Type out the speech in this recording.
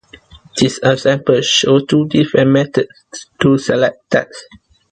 This example shows two different methods to select tags.